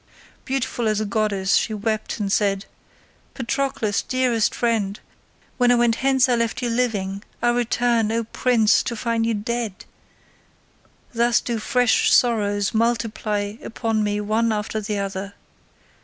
Beautiful as a goddess she wept and said, "Patroclus, dearest friend, when I went hence I left you living; I return, O prince, to find you dead; thus do fresh sorrows multiply upon me one after the other.